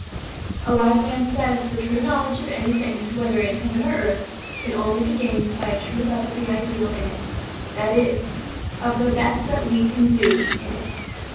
"A wise man says that true knowledge of anything whether in heaven or earth can only be gained by a true love of the Ideal in it that is, of the best that we can do in it.